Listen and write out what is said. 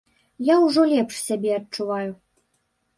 Я ўжо лепш сябе адчуваю.